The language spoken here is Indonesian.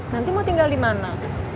nanti mau tinggal dimana